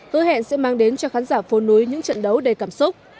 hứa hẹn sẽ mang đến cho khán giả phố núi những trận đấu đầy cảm xúc